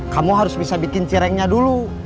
kamu harus bisa bikin cerengnya dulu